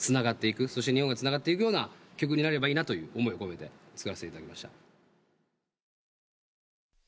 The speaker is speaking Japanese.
そして日本がつながっていくような曲になればいいなという思いを込めて作らせていただきました。